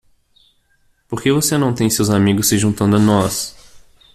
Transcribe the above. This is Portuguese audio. Por que você não tem seus amigos se juntando a nós?